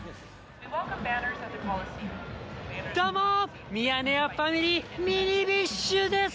どうも、ミヤネ屋ファミリー、ミニビッシュです。